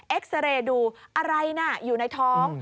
ซาเรย์ดูอะไรน่ะอยู่ในท้อง